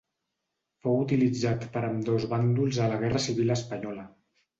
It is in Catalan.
Fou utilitzat per ambdós bàndols a la Guerra civil espanyola.